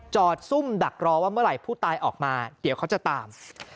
ซุ่มดักรอว่าเมื่อไหร่ผู้ตายออกมาเดี๋ยวเขาจะตาม